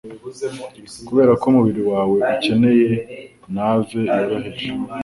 kuberako umubiri wawe ukeneye nave yoroheje